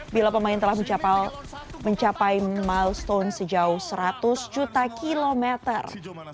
bila pemain telah mencapai milestone sejauh seratus juta kilometer